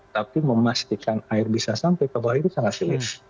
tapi memastikan air bisa sampai ke bawah itu sangat sulit